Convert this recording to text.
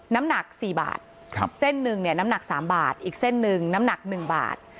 น้ำหนัก๔บาทเส้นหนึ่งเนี่ยน้ำหนัก๓บาทอีกเส้นหนึ่งน้ำหนัก๑บาท